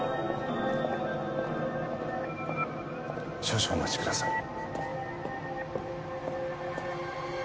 少々お待ちください。